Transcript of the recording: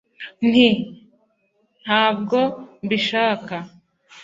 nti: ntabwo mbishaka,